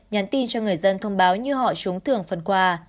nhắn tin cho người dân thông báo như họ trúng thưởng phần quà